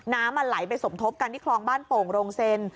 น้ำมันไหลไปสมทบกันที่คลองบ้านโป่งโรงเซ็น